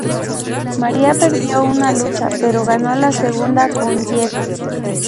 Maria perdió una lucha, pero ganó la segunda con Jeff.